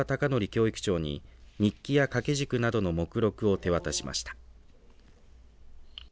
教育長に日記や掛け軸などの目録を手渡しました。